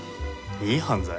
いい犯罪？